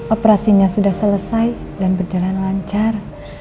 operasinya sudah selesai dan berjalan lancar